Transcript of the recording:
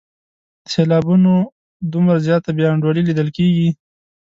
د سېلابونو دومره زیاته بې انډولي لیدل کیږي.